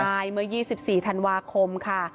ใช่เมื่อ๒๔ธันวาคมค่ะ